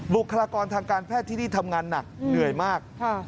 บุคลากรทางการแพทย์ที่นี่ทำงานหนักเหนื่อยมาก